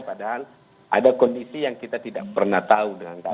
padahal ada kondisi yang kita tidak pernah tahu dengan keadaan